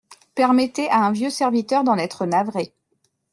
Permettez à un vieux serviteur d'en être navré.